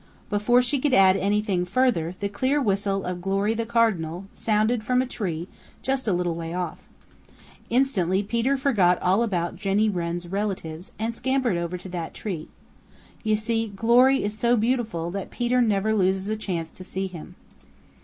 Before she could add anything further the clear whistle of Glory the Cardinal sounded from a tree just a little way off. Instantly Peter forgot all about Jenny Wren's relatives and scampered over to that tree. You see Glory is so beautiful that Peter never loses a chance to see him.